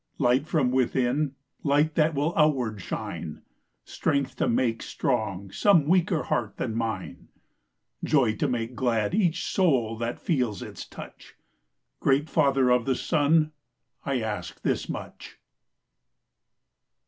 Light from within, light that will outward shine, Strength to make strong some weaker heart than mine, Joy to make glad each soul that feels its touch; Great Father of the sun, I ask this much.